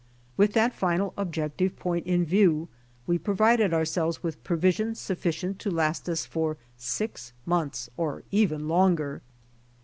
With that final objective point in view we provided ourselves with provisions sufficient to last us for six months or even longer.